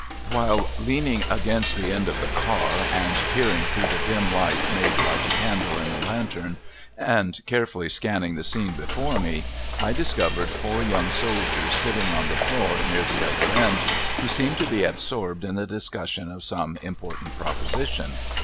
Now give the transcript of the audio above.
While leaning against the end of the car and peering through the dim light made by the candle in the lantern, and carefully scanning the scene before me, I discovered four young soldiers sitting on the floor near the other end, who seemed to be absorbed in the discussion of some important proposition.